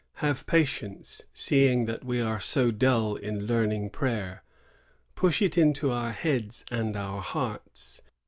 Have patience, seeing that we are so dull in learning prayer; push it into our heads and our hearts."